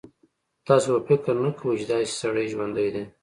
تاسو به فکر نه کوئ چې داسې سړی ژوندی دی.